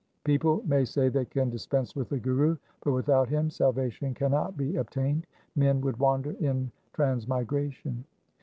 People may say they can dispense with the Guru, but without him salvation cannot be obtained : men would wander in transmigration.